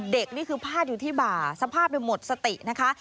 นี่คือพาดอยู่ที่บ่าสภาพหมดสตินะคะ